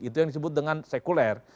itu yang disebut dengan sekuler